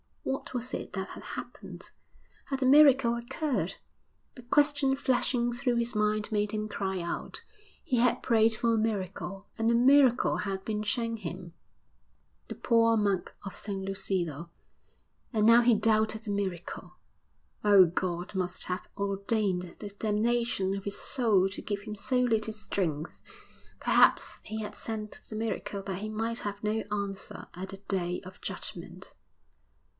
What was it that had happened? Had a miracle occurred? The question flashing through his mind made him cry out. He had prayed for a miracle, and a miracle had been shown him the poor monk of San Lucido....And now he doubted the miracle. Oh, God must have ordained the damnation of his soul to give him so little strength perhaps He had sent the miracle that he might have no answer at the Day of Judgment.